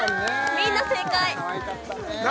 みんな正解何？